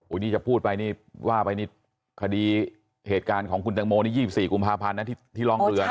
นี่จะพูดไปนี่ว่าไปนี่คดีเหตุการณ์ของคุณตังโมนี่๒๔กุมภาพันธ์นะที่ร่องเรือนะ